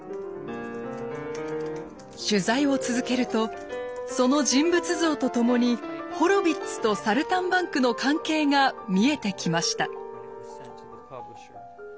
取材を続けるとその人物像と共にホロヴィッツと「サルタンバンク」の関係が見えてきました。